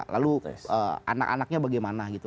lalu anak anaknya bagaimana gitu